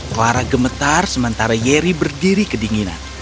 clara gemetar sementara yeri berdiri kedinginan